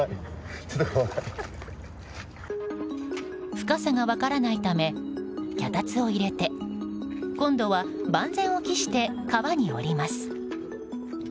深さが分からないため脚立を入れて今度は万全を期して川に下ります。